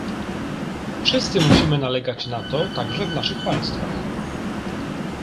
Wszyscy musimy nalegać na to także w naszych państwach